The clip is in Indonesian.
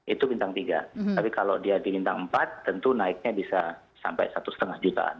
itu bintang tiga tapi kalau dia di bintang empat tentu naiknya bisa sampai satu lima jutaan